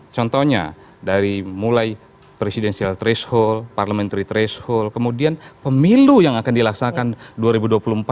contohnya dari mulai presidensial threshold parliamentary threshold kemudian pemilu yang akan dilaksanakan dua ribu dua puluh empat